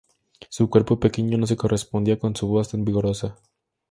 Su cuerpo pequeño no se correspondía con su voz tan vigorosa.